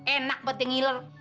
enak buat yang ngiler